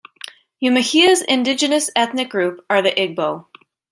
Umuahia's indigenous ethnic group are the Igbo.